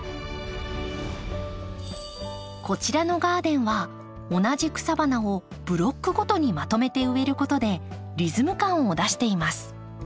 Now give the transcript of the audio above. こちらのガーデンは同じ草花をブロックごとにまとめて植えることでリズム感を出しています。